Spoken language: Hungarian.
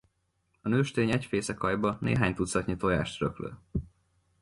A nőstény egy fészekaljba néhány tucatnyi tojást rak le.